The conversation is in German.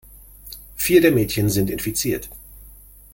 Vier der Mädchen sind infiziert.